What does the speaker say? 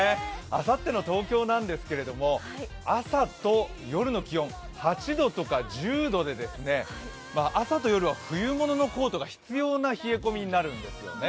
あさっての東京なんですけれども朝と夜の気温、８度とか１０度で朝と夜は冬物のコートが必要な冷え込みになるんですよね。